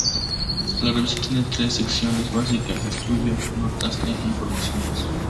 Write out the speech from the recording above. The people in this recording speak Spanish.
La revista tiene tres secciones básicas: "Estudios", "Notas" e "Informaciones".